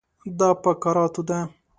دا په کراتو ده.